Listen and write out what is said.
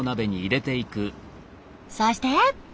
そして。